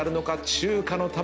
中華の卵！